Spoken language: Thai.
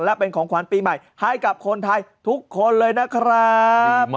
และเป็นของขวัญปีใหม่ให้กับคนไทยทุกคนเลยนะครับ